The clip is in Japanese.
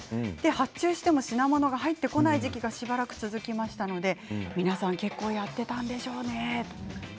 発注しても品物が入ってこない時期がしばらく続きましたので皆さん、結構寒天ダイエットをやっていたんでしょうね。